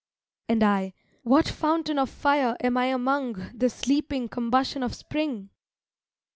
And I, what fountain of fire am I among This leaping combustion of spring?